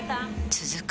続く